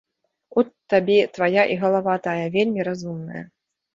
От табе твая і галава тая вельмі разумная.